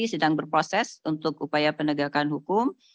sedang berproses untuk upaya penegakan hukum